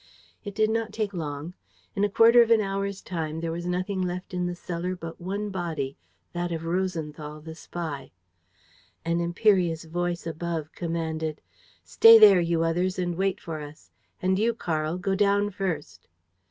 It did not take long. In a quarter of an hour's time, there was nothing left in the cellar but one body, that of Rosenthal, the spy. And an imperious voice above commanded: "Stay there, you others, and wait for us. And you, Karl, go down first."